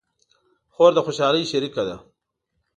خور د خوشحالۍ شریکه ده.